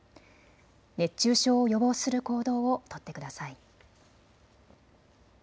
熱中症を予防する行動を取ってください。